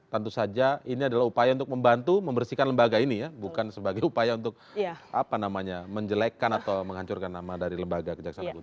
tentu saja ini adalah upaya untuk membantu membersihkan lembaga ini ya bukan sebagai upaya untuk menjelekan atau menghancurkan nama dari lembaga kejaksaan agung